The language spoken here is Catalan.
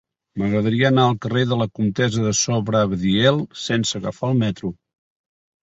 M'agradaria anar al carrer de la Comtessa de Sobradiel sense agafar el metro.